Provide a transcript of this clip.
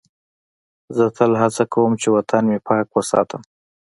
زه تل هڅه کوم چې وطن مې پاک وساتم.